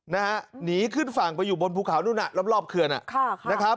นะฮะหนีขึ้นฝั่งไปอยู่บนภูเขานู่นน่ะรอบเขื่อนนะครับ